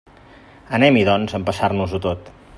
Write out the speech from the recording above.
Anem-hi, doncs, a empassar-nos-ho tot.